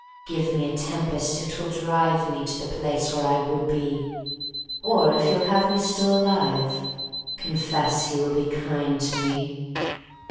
Give me a tempest if 'twill drive Me to the place where I would be; Or if you'll have me still alive, Confess you will be kind to me.